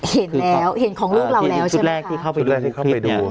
เห็นแล้วเห็นของลูกเราแล้วใช่ไหมค่ะสุดแรกที่เข้าไปดูคลิปเนี่ย